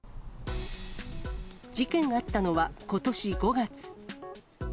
事件があったのはことし５月。